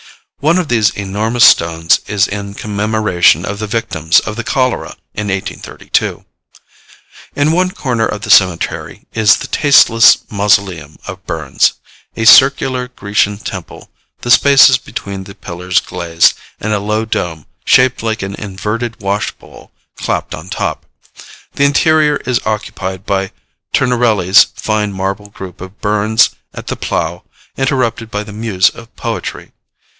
One of these enormous stones is in commemoration of the victims of the cholera in 1832. In one corner of the cemetery is the tasteless mausoleum of Burns a circular Grecian temple, the spaces between the pillars glazed, and a low dome, shaped like an inverted washbowl, clapped on top. The interior is occupied by Turnerelli's fine marble group of Burns at the plough, interrupted by the Muse of Poetry.